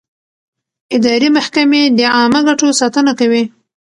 اداري محکمې د عامه ګټو ساتنه کوي.